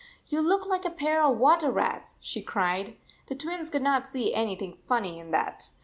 11 You look like a pair of water rats," she cried. The Twins could not see anything funny in that.